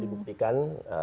itu juga di buktikan